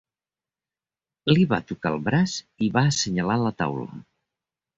Li va tocar el braç i va assenyalar la taula.